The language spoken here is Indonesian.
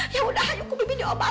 ya sudah ayo aku bimbing obat